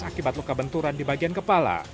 akibat luka benturan di bagian kepala